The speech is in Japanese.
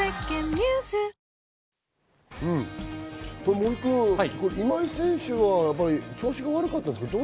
森君、今井選手は調子が悪かったんですか？